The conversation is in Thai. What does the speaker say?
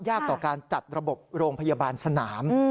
ต่อการจัดระบบโรงพยาบาลสนาม